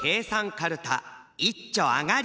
カルタいっちょあがり！